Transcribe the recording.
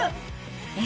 え！